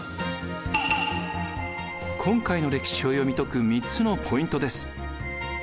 今回の歴史を読み解く３つのポイントです。